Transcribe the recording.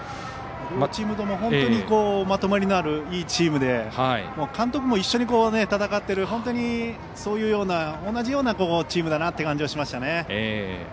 両チームとも本当にまとまりのあるいいチームで監督も一緒に戦っている本当に同じようなチームだなという感じがしましたね。